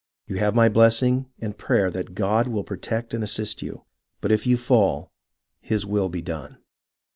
You have my blessing and prayer that God will protect and assist you. But if you fall, His will be done.